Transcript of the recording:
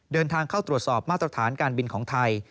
เดินทางเข้าตรวจสอบมาตรฐานการบินของไทย